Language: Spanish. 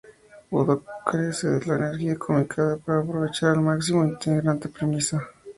Woodcock" carece de la energía cómica para aprovechar al máximo su intrigante premisa".